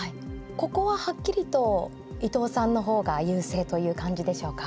ここははっきりと伊藤さんの方が優勢という感じでしょうか。